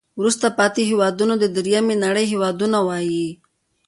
وروسته پاتې هیوادونو ته د دریمې نړۍ هېوادونه وایي.